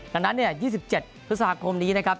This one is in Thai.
ดังนั้น๒๗พฤษภาคมนี้นะครับ